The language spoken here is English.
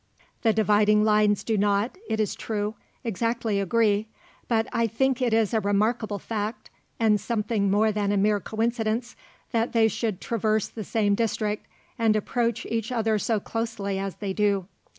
The dividing lines do not, it is true, exactly agree; but I think it is a remarkable fact, and something more than a mere coincidence, that they should traverse the same district and approach each other so closely as they do.